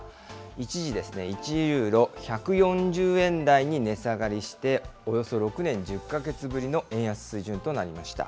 一時、１ユーロ１４０円台に値下がりして、およそ６年１０か月ぶりの円安水準となりました。